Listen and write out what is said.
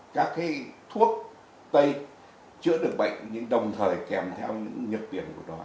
các thuốc tây chữa được bệnh nhưng đồng thời kèm theo những nhược điểm của nó